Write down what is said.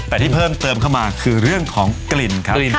แต่ที่เพิ่มเติมเข้ามาคือเรื่องของกลิ่นครับ